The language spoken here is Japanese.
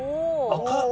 赤っ。